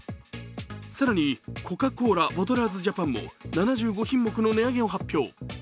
更にコカ・コーラボトラーズジャパンも７５品目の値上げを発表。